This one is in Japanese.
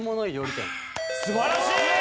素晴らしい！